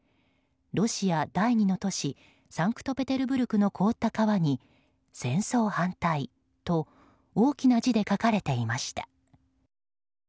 ロシア第２の都市サンクトペテルブルクの凍った川に戦争反対と大きな字で書かれていました。